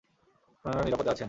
আপনারা নিরাপদ আছেন।